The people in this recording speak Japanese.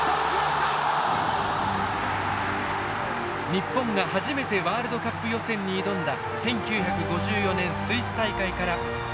日本が初めてワールドカップ予選に挑んだ１９５４年スイス大会からおよそ半世紀。